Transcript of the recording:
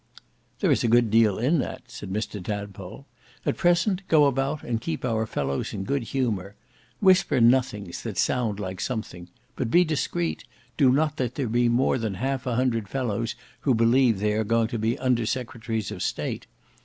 "There is a good deal in that," said Mr Tadpole. "At present go about and keep our fellows in good humour. Whisper nothings that sound like something. But be discreet; do not let there be more than half a hundred fellows who believe they are going to be Under Secretaries of State.